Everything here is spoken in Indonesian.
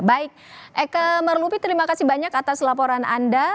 baik eka merlupi terima kasih banyak atas laporan anda